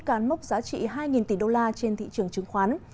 càn mốc giá trị hai tỷ đô la trên thị trường chứng khoán